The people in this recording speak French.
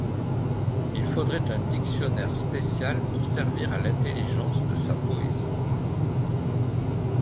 Il faudrait un dictionnaire spécial pour servir à l’intelligence de sa poésie.